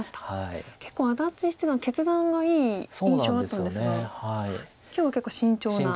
安達七段決断がいい印象あったんですが今日は結構慎重な。